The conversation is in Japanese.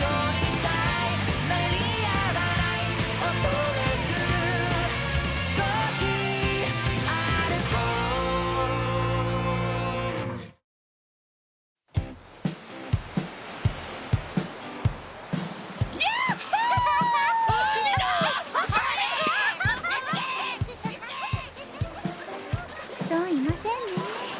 人いませんね。